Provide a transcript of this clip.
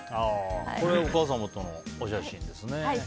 これ、お母様とのお写真ですね。